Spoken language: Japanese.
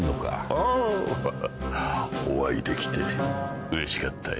ああハハお会いできてうれしかったよ。